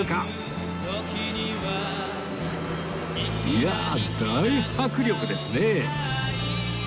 いやあ大迫力ですね！